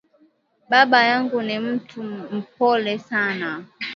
Baba yangu ni muntu mupole sana